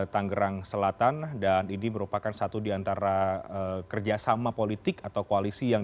tanggerang selatan dan ini merupakan satu diantara kerjasama politik atau koalisi yang